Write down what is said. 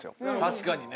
確かにね。